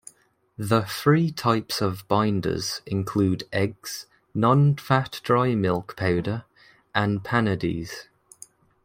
The three types of binders include eggs, nonfat dry milk powder, and panades.